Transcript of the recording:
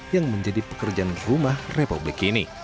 yang menjadi pekerjaan rumah republik ini